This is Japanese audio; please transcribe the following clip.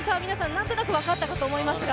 なんとなく分かったかと思いますが。